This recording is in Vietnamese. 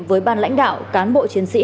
với ban lãnh đạo cán bộ chiến sĩ